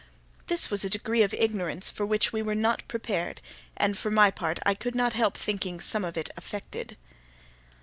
This was a degree of ignorance for which we were not prepared, and for my part I could not help thinking some of it affected.